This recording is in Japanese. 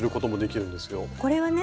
これはね